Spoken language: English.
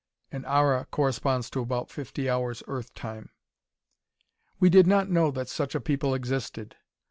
An ara corresponds to about fifty hours, Earth time.) we did not know that such a people existed.